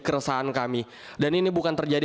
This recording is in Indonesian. keresahan kami dan ini bukan terjadi